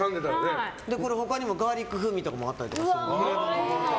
他にもガーリック風味とかもあったりするので。